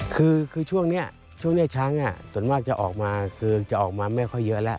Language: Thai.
คือช่วงนี้ช่วงนี้ช้างส่วนมากจะออกมาคือจะออกมาไม่ค่อยเยอะแล้ว